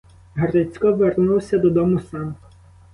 Грицько вернувся додому сам.